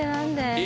え！